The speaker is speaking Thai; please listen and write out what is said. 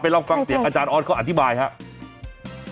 ลองฟังเสียงอาจารย์ออสเขาอธิบายครับ